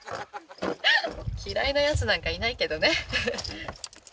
嫌いなヤツなんかいないけどね。